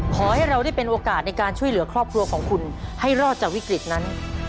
ขอให้เราได้เป็นโอกาสในการช่วยเหลือครอบครัวของคุณให้รอดจากวิกฤตนั้น